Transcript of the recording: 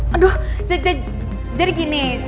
aduh jadi gini